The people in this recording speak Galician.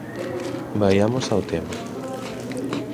Vaiamos ao tema.